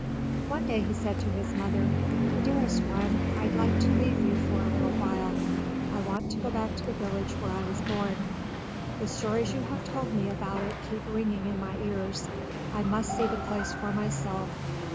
One day he said to his mother, "Dearest one, I'd like to leave you for a little while. I want to go back to the village where I was born. The stories you have told me about it keep ringing in my ears. I must see the place for myself.